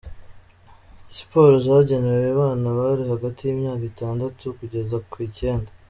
Siporo zagenewe abana bari hagati y’imyaka itandatu kugeza ku icyenda.